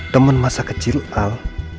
teman masa kecil al